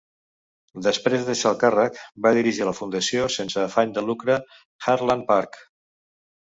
Després de deixar el càrrec, va dirigir la Fundació sense afany de lucre Heartland Park.